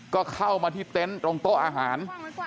ก็เข้ามาที่เต็นต์ตรงโต๊ะอาหาร